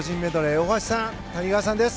大橋さん、谷川さんです。